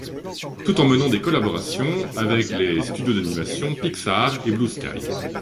Tout en menant des collaborations avec les studios d'animation Pixar et Blue Sky.